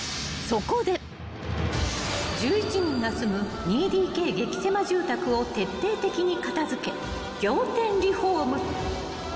［１１人が住む２ＤＫ激狭住宅を徹底的に片付け仰天リフォーム］